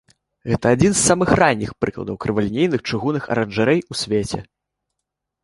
Гэта адзін з самых ранніх прыкладаў крывалінейных чыгунных аранжарэй у свеце.